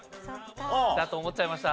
だと思っちゃいました。